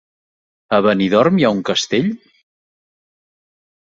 A Benidorm hi ha un castell?